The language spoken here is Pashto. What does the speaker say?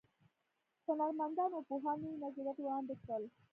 هنرمندانو او پوهانو نوي نظریات وړاندې کړل.